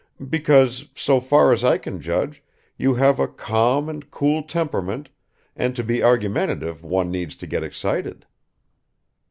"Because, so far as I can judge, you have a calm and cool temperament and to be argumentative one needs to get excited."